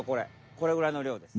これぐらいのりょうです。